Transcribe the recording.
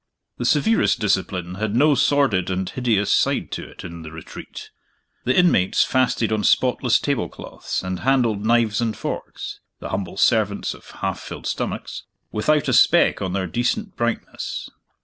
The severest discipline had no sordid and hideous side to it in The Retreat. The inmates fasted on spotless tablecloths, and handled knives and forks (the humble servants of half filled stomachs) without a speck on their decent brightness.